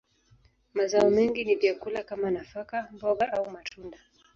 Mazao mengi ni vyakula kama nafaka, mboga, au matunda.